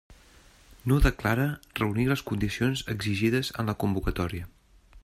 No declara reunir les condicions exigides en la convocatòria.